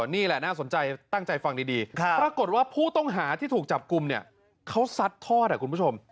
นี่แหละน่าสนใจตั้งใจฟังดีปรากฏว่าผู้ต้องหาที่ถูกจับกลุ่มเนี่ยเขาซัดทอดคุณผู้ชม